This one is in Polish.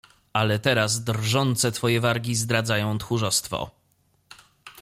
"Ale teraz drżące twoje wargi zdradzają tchórzostwo."